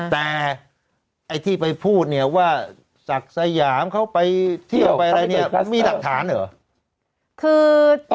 แต่ที่ไปพูดว่าศกสยามเขาไปเที่ยวไปมีหลักฐานเหรอ